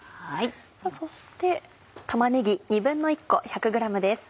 そして玉ねぎ１／２個１００ｇです。